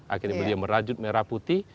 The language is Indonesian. akhirnya beliau merajut merah putih